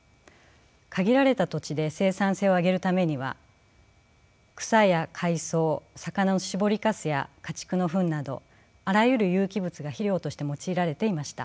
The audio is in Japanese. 限られた土地で生産性を上げるためには草や海藻魚の絞りかすや家畜の糞などあらゆる有機物が肥料として用いられていました。